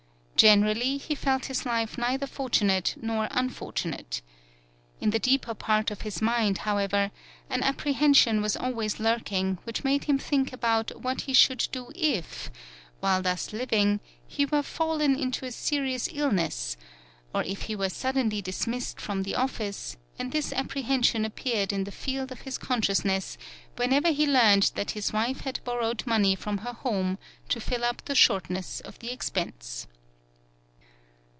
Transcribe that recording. Gen erally he felt his life neither fortunate nor unfortunate. In the deeper part of his mind, however, an apprehension was always lurking which made him think about what he should do if, while thus living, he were fallen into a serious ill ness, or if he were suddenly dismissed from the office, and this apprehension appeared in the field of his conscious ness whenever he learned that his wife had borrowed money from her home to fill up the shortness of the expense.